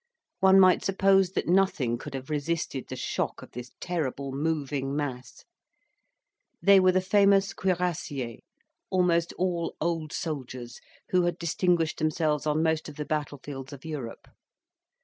One might suppose that nothing could have resisted the shock of this terrible moving mass. They were the famous cuirassiers, almost all old soldiers, who had distinguished themselves on most of the battlefields of Europe.